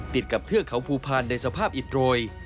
ติดกับเทือกเขาภูพาลในสภาพอิดโรย